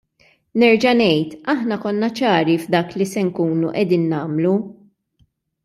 Nerġa' ngħid, aħna konna ċari f'dak li se nkunu qegħdin nagħmlu.